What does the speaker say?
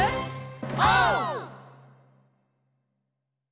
オー！